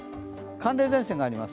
寒冷前線があります。